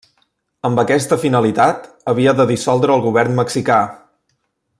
Amb aquesta finalitat, havia de dissoldre el Govern mexicà.